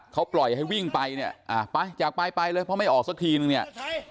เขาปล่อยให้วิ่งไปเนี่ยอ่าไปจากไปไปเลยเพราะไม่ออกสักทีนึงเนี่ย